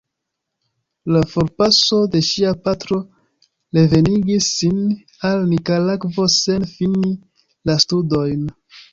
La forpaso de ŝia patro revenigis sin al Nikaragvo sen fini la studojn.